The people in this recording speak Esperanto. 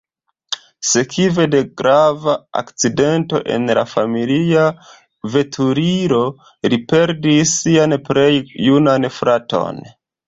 Sekve de grava akcidento en la familia veturilo, li perdis sian plej junan fraton.